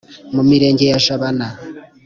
Mu mirenge ya Jabana.